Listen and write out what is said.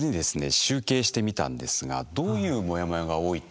集計してみたんですがどういうモヤモヤが多いと思います？